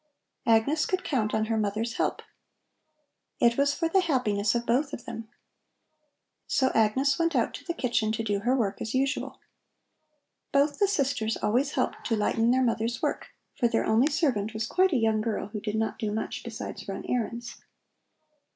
Agnes could count on her mother's help. It was for the happiness of both of them. So Agnes went out to the kitchen to do her work as usual. Both the sisters always helped to lighten their mother's work, for their only servant was quite a young girl, who did not do much besides run errands.